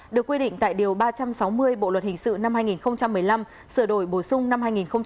được quy định tại điều ba trăm sáu mươi bộ luật hình sự năm hai nghìn một mươi năm sửa đổi bổ sung năm hai nghìn một mươi bảy